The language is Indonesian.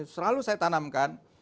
selalu saya tanamkan